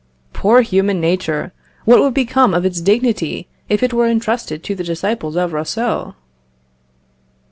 Poor human nature! What would become of its dignity if it were entrusted to the disciples of Rousseau?